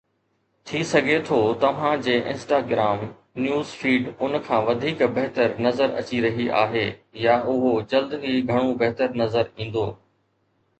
ٿي سگهي ٿو توهان جي انسٽاگرام نيوز فيڊ ان کان وڌيڪ بهتر نظر اچي رهي آهي، يا اهو جلد ئي گهڻو بهتر نظر ايندو